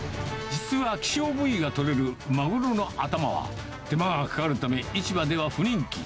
実は希少部位が取れるマグロの頭は、手間がかかるため、市場では不人気。